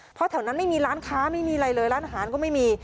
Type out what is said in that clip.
เพราะแถวนั้นไม่มีร้านค้าไม่มีอะไรเลยร้านอาหารก็ไม่มี